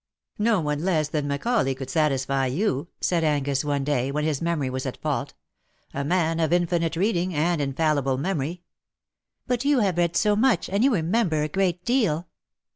"No one less than Macaulay could satisfy you/^ said Angus, one day, when his memory was at fault. "A man of infinite reading, and infallible memory."^ " But you have read so much, and you remember a great deal.''